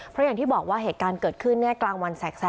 เพราะอย่างที่บอกว่าเหตุการณ์เกิดขึ้นกลางวันแสก